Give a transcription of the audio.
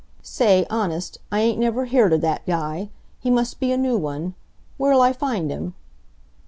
"Say, honest, I ain't never heard of dat guy. He must be a new one. W'ere'll I find him?"